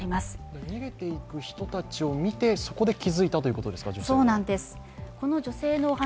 逃げていく人たちを見てそこで気づいたということですか、女性は。